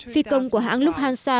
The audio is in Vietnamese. phi công của hãng lúc hansa